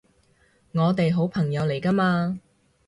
我哋好朋友嚟㗎嘛